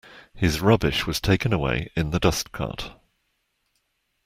His rubbish was taken away in the dustcart